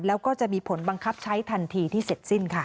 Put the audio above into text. แล้วก็จะมีผลบังคับใช้ทันทีที่เสร็จสิ้นค่ะ